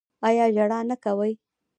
ایا ژړا نه کوي؟